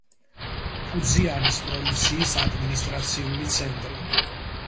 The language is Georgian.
ფუძიანის პროვინციის ადმინისტრაციული ცენტრი.